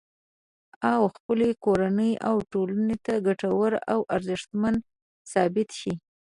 او خپلې کورنۍ او ټولنې ته ګټور او ارزښتمن ثابت شي